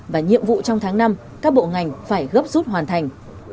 và nhiệm vụ trong tháng năm các bộ ngành phải gấp rút hoàn thành